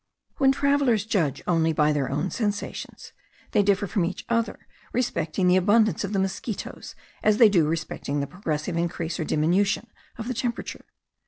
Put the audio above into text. When travellers judge only by their own sensations they differ from each other respecting the abundance of the mosquitos as they do respecting the progressive increase or diminution of the temperature.